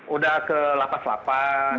udah ke lapas lapas